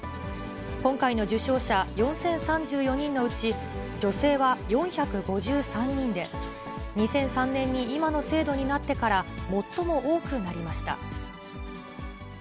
今回の受章者４０３４人のうち、女性は４５３人で、２００３年に今の制度になってから最も多くなりました。